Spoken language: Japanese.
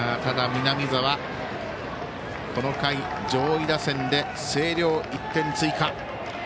この回、上位打線で星稜、１点追加。